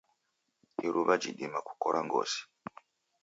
Iruwa jidima kukora ngozi.